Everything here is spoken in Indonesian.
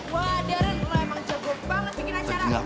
wah darren lo emang jago banget bikin acara